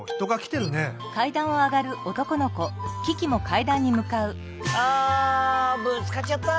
ああぶつかっちゃった。